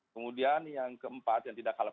kemudian yang keempat yang tidak kalah